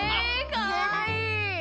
かわいい！